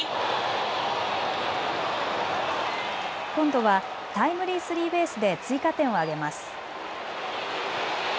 今度はタイムリースリーベースで追加点を挙げます。